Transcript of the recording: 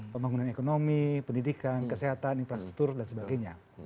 pembangunan ekonomi pendidikan kesehatan infrastruktur dan sebagainya